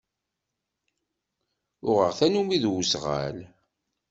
Uɣeɣ tannumi d uzɣal.